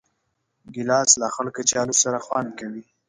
ګیلاس له خړ کچالو سره خوند کوي.